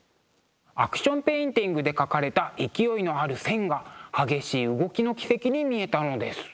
アクションペインティングで描かれた勢いのある線が激しい動きの軌跡に見えたのです。